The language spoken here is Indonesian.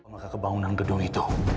kemana kebangunan gedung itu